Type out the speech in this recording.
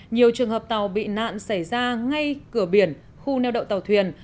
nhiều trường hợp tàu bị nạn xảy ra ngay cửa biển khu neo đậu tàu thuyền